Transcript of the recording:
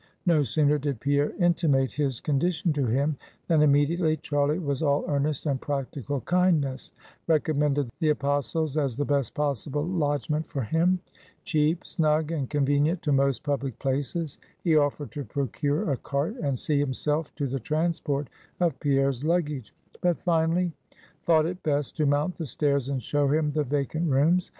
No sooner did Pierre intimate his condition to him, than immediately, Charlie was all earnest and practical kindness; recommended the Apostles as the best possible lodgment for him, cheap, snug, and convenient to most public places; he offered to procure a cart and see himself to the transport of Pierre's luggage; but finally thought it best to mount the stairs and show him the vacant rooms.